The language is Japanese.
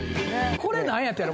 これ何やったんやろ？